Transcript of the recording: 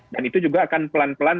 dan itu juga akan pelan pelan